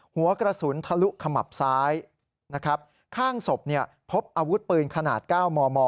หัวกระสุนทะลุขมับซ้ายข้างสบพบอาวุธปืนขนาด๙มม